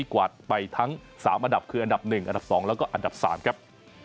กวาดไปทั้ง๓อันดับคืออันดับ๑อันดับ๒แล้วก็อันดับ๓ครับ